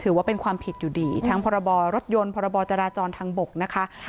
ถือว่าเป็นความผิดอยู่ดีทั้งพรบรถยนต์พรบจราจรทางบกนะคะ